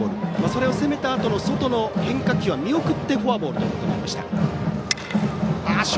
それを攻めたあとの外の変化球は見送ってフォアボールとなりました。